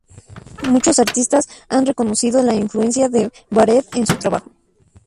Muchos artistas han reconocido la influencia de Barrett en su trabajo.